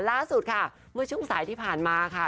ล่าสุดเมื่อช่วงสายที่ผ่านมา